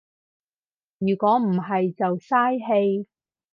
如果唔係就嘥氣